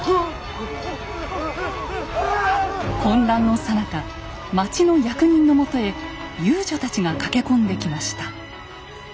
混乱のさなか町の役人のもとへ遊女たちが駆け込んできました。